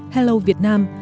hello việt nam